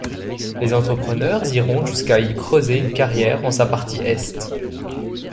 Les entrepreneurs iront jusqu’à y creuser une carrière en sa partie est.